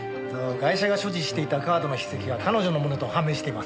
ガイシャが所持していたカードの筆跡は彼女のものと判明しています。